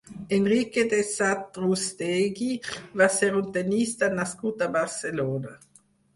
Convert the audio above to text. Enrique de Satrústegui va ser un tennista nascut a Barcelona.